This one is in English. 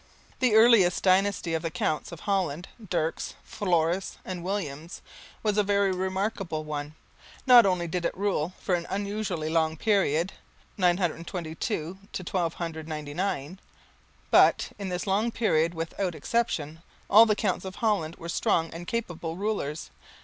The earliest dynasty of the Counts of Holland Dirks, Floris, and Williams was a very remarkable one. Not only did it rule for an unusually long period, 922 to 1299, but in this long period without exception all the Counts of Holland were strong and capable rulers.